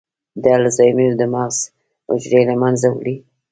د الزایمر د مغز حجرې له منځه وړي.